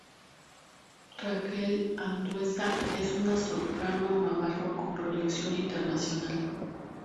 Raquel Andueza es una soprano navarra con proyección internacional.